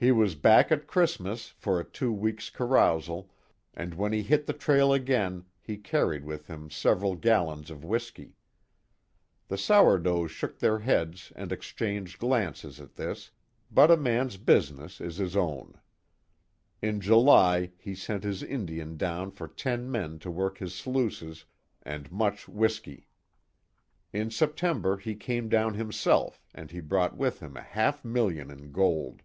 He was back at Christmas for a two weeks carousal, and when he hit the trail again he carried with him several gallons of whiskey. The sourdoughs shook their heads and exchanged glances at this, but a man's business is his own. In July he sent his Indian down for ten men to work his sluices and much whiskey. In September he came down himself and he brought with him a half million in gold.